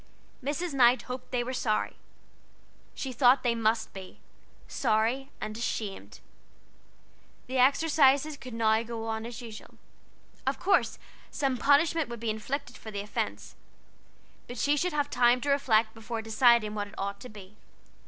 Mrs. Knight hoped they were sorry; she thought they must be sorry and ashamed. The exercises could now go on as usual. Of course some punishment would be inflicted for the offense, but she should have to reflect before deciding what it ought to be.